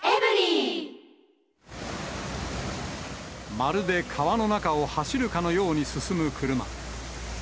まるで川の中を走るかのように進む車。